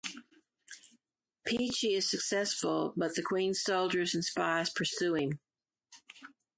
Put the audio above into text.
Peachy is successful, but the queen's soldiers and spies pursue him.